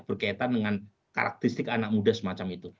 berkaitan dengan karakteristik anak muda semacam itu